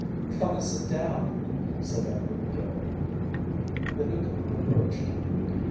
"Come and sit down," said Edward gaily. The new comer approached.